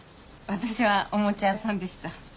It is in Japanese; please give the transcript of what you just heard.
私はおもちゃ屋さんでした。